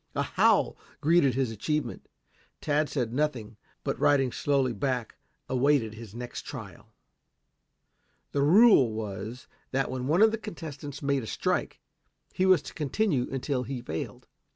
A howl greeted his achievement. Tad said nothing, but riding slowly back, awaited his next trial. The rule was that when one of the contestants made a strike, he was to continue until he failed.